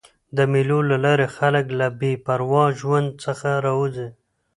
د مېلو له لاري خلک له بې پروا ژوند څخه راوځي.